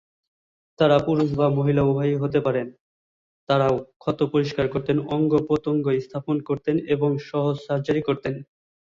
তারা পুরুষ বা মহিলা উভয়ই হতে পারেন, তারাও ক্ষত পরিষ্কার করতেন, অঙ্গ-প্রত্যঙ্গ স্থাপন করতেন এবং সহজ সার্জারি করতেন।